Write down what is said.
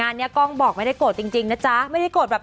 คารีรับพอด้วยไหมครับ